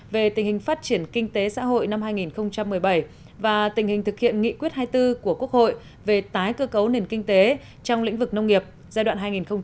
về tình hình phát triển kinh tế xã hội năm hai nghìn một mươi bảy và tình hình thực hiện nghị quyết hai mươi bốn của quốc hội về tái cơ cấu nền kinh tế trong lĩnh vực nông nghiệp giai đoạn hai nghìn một mươi sáu hai nghìn hai mươi